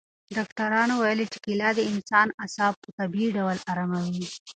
ډاکټرانو ویلي چې کیله د انسان اعصاب په طبیعي ډول اراموي.